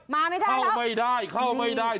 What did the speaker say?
มาไม่ได้เข้าไม่ได้เข้าไม่ได้